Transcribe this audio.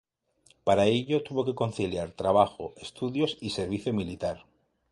Para ello, tuvo que conciliar trabajo, estudios y servicio militar.